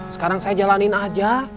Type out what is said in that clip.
sekarang saya jalanin aja